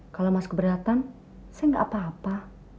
kalau mas keberatan saya gak apa apa